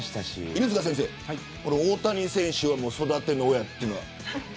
犬塚先生、大谷選手は育ての親というのは。